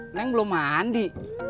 neng belum mandi